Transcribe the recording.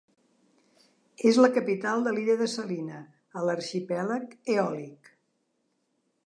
És la capital de l'illa de Salina, a l'arxipèlag Eòlic.